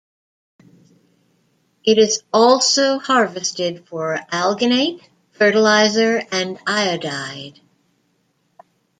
It also is harvested for alginate, fertilizer and iodide.